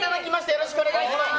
よろしくお願いします。